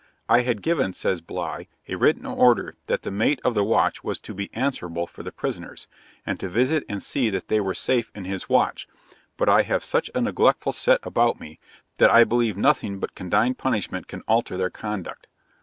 'I had given,' says Bligh, 'a written order that the mate of the watch was to be answerable for the prisoners, and to visit and see that they were safe in his watch, but I have such a neglectful set about me, that I believe nothing but condign punishment can alter their conduct.